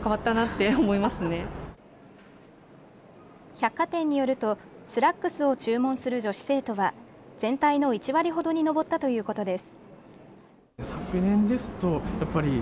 百貨店によるとスラックスを注文する女子生徒は全体の１割程に上ったということです。